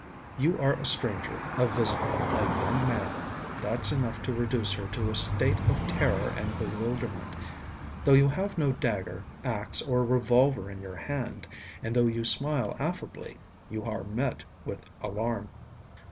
You are a stranger, a visitor, "a young man"; that's enough to reduce her to a state of terror and bewilderment. Though you have no dagger, axe, or revolver in your hand, and though you smile affably, you are met with alarm.